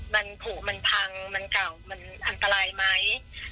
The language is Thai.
มันผูกมันพังมันเก่ามันอันตรายไหม